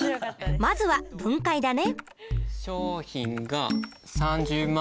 まずは分解だね。